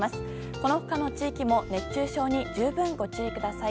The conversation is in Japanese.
この他の地域も熱中症に十分ご注意ください。